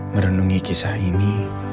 merenungi kisah ini